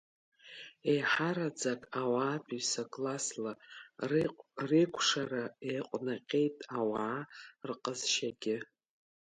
Еиҳараӡак ауаатәыҩса классла реикәшара еиҟәнаҟьеит ауаа рҟазшьагьы.